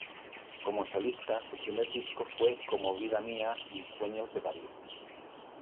Como solista su primer disco fue con "Vida mía" y "Sueños de París".